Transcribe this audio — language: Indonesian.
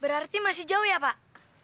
berarti masih jauh ya pak